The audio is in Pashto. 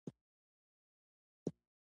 احمد هيڅ سترګې نه لري.